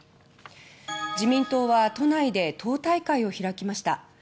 自民党は都内で党大会を開きました。